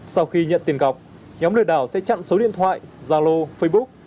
sau khi nhận tiền cọc nhóm lừa đảo sẽ chặn số điện thoại giao lô facebook